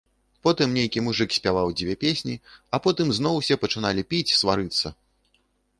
Потым нейкі мужык спяваў дзве песні, а потым зноў усе пачыналі піць, сварыцца.